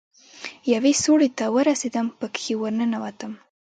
يوې سوړې ته ورسېدم پکښې ورننوتم.